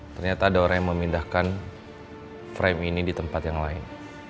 ternyata ada orang yang memindahkan frame ini di tempat yang lain